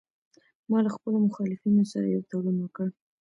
ما له خپلو مخالفینو سره یو تړون وکړ